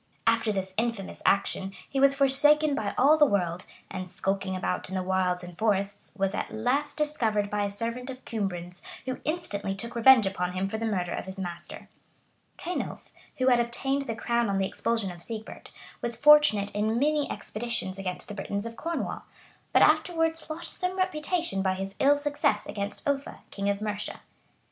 After this infamous action, he was forsaken by all the world; and skulking about in the wilds and forests, was at last discovered by a servant of Cumbran's, who instantly took revenge upon him for the murder of his master.[*] Cenulph, who had obtained the crown on the expulsion of Sigebert, was fortunate in many expeditions against the Britons of Cornwall; but afterwards lost some reputation by his ill success against Offa, king of Mercia.